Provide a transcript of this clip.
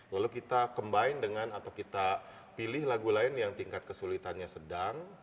lalu kita combine dengan atau kita pilih lagu lain yang tingkat kesulitannya sedang